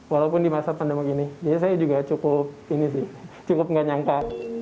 walaupun di masa pandemi ini jadi saya juga cukup ini sih cukup nggak nyangka